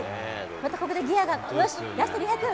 またここでギアが、よし、ラスト２００。